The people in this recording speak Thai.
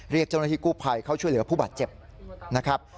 เรียกชนธิกูภัยเข้าช่วยเหลือผู้บาดเจ็บ